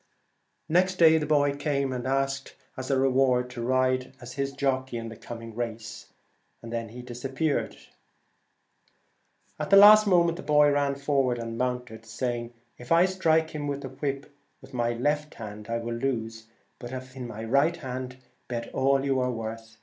Next day the boy came and asked as reward to ride as his jockey in the coming race, and then was gone. The race time came round. At the last moment the boy ran forward and mounted, saying, ' If I strike him with the whip in my left hand I will lose, but if in my right hand bet all you are worth.'